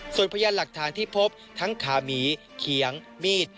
ส่วนพยานหลักฐานที่พบทั้งขาหมีเขียงมีด